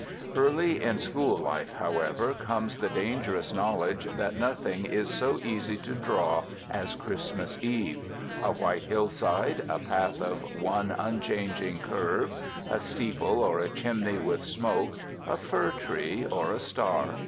Early in school life, however, comes the dangerous knowledge that nothing is so easy to draw as Christmas Eve: a white hillside, a path of one unchanging curve, a steeple or a chimney with smoke, a fir tree or a star.